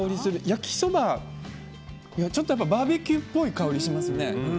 焼きそば、ちょっとバーベキューっぽい香りしますね。